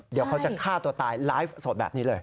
เดี๋ยวเขาจะฆ่าตัวตายไลฟ์สดแบบนี้เลย